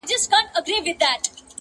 نه وم د رندانو په محفل کي مغان څه ویل-